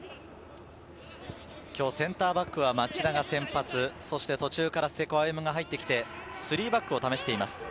今日センターバックは町田が先発、途中から瀬古歩夢が入ってきて３バックを試しています。